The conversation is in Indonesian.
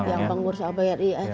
yang pengurus kbri